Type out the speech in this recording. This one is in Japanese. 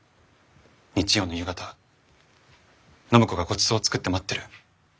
日曜の夕方暢子がごちそうを作って待ってる。